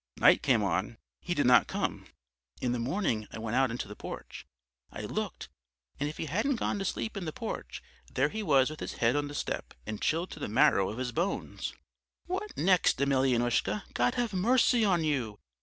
"Night came on, he did not come. In the morning I went out into the porch; I looked, and if he hadn't gone to sleep in the porch! There he was with his head on the step, and chilled to the marrow of his bones. "'What next, Emelyanoushka, God have mercy on you!